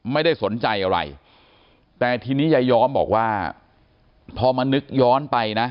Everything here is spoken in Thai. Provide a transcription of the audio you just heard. ไม่ได้สนใจอะไรแต่ทีนี้ยายย้อมบอกว่าพอมานึกย้อนไปนะ